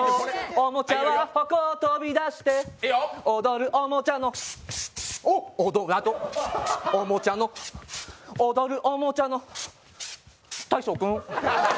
おもちゃは箱を飛び出して、おどるおもちゃのおもちゃの踊るおもちゃの大昇君！